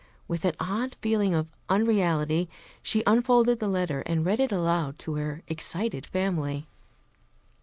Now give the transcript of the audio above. With an odd feeling of unreality she unfolded the letter and read it aloud to her excited family.